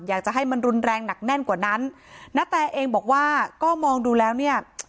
อยากจะให้มันรุนแรงหนักแน่นกว่านั้นณแตเองบอกว่าก็มองดูแล้วเนี่ย